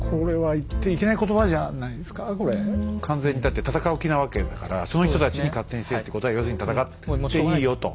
完全にだって戦う気なわけだからその人たちに勝手にせえって言うことは要するに戦っていいよと。